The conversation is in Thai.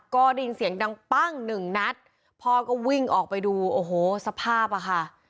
ก็ได้ยินเสียงดังปั้งหนึ่งนัดพ่อก็วิ่งออกไปดูโอ้โหสภาพอ่ะค่ะ